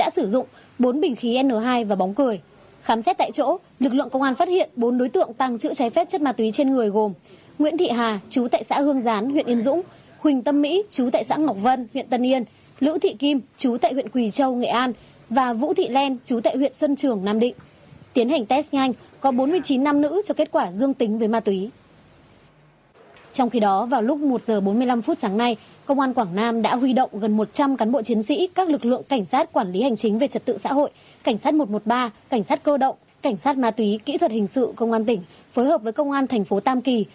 cảnh sát một trăm một mươi ba cảnh sát cơ động cảnh sát má túy kỹ thuật hình sự công an tỉnh phối hợp với công an thành phố tam kỳ